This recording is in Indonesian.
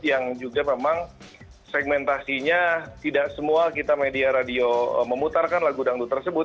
yang juga memang segmentasinya tidak semua kita media radio memutarkan lagu dangdut tersebut